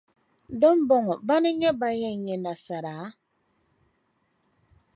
Di ni bɔŋɔ, bana n-nyɛ ban yɛn nya nasara?